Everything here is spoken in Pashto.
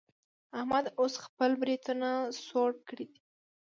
احمد اوس خپل برېتونه څوړ کړي دي.